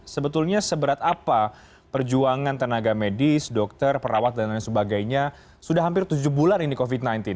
sebetulnya seberat apa perjuangan tenaga medis dokter perawat dan lain sebagainya sudah hampir tujuh bulan ini covid sembilan belas